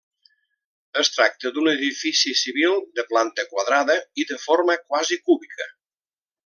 Es tracta d'un edifici civil de planta quadrada i de forma quasi cúbica.